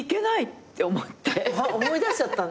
思い出しちゃったんだ逆に。